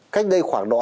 cách đây khoảng đó